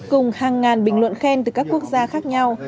cùng hàng ngàn bình luận khen từ các quốc gia khác nhau